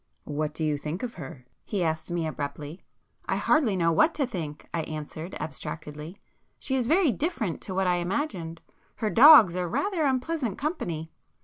"What do you think of her?" he asked me abruptly. "I hardly know what to think," I answered abstractedly—"She is very different to what I imagined. Her dogs are rather unpleasant company!"